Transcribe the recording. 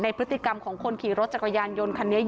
พฤติกรรมของคนขี่รถจักรยานยนต์คันนี้